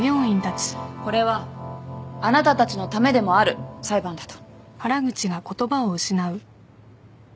これはあなたたちのためでもある裁判だと。